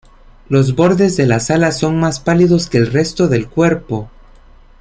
Los bordes de las alas son más pálidos que el resto del cuerpo.